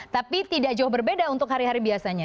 tapi tidak jauh berbeda untuk hari hari biasanya